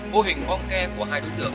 mô hình bong ke của hai đối tượng